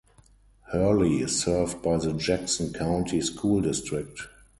Hurley is served by the Jackson County School District.